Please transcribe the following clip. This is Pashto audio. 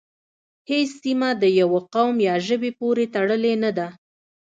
هیڅ سیمه د یوه قوم یا ژبې پورې تړلې نه ده